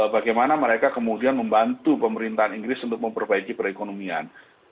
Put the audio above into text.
bagaimana mereka kemudian membantu pemerintahan inggris untuk memperbaiki perekonomian